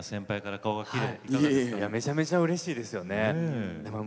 めちゃめちゃうれしいですよね。